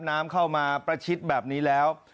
น้ำเข้ามาประชิดแบบนี้แล้ว